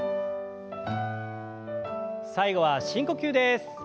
最後は深呼吸です。